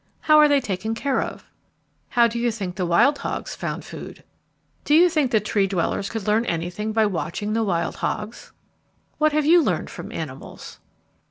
How are they taken care of? How do you think the wild hogs found food? Do you think the Tree dwellers could learn anything by watching the wild hogs? What have you learned from animals?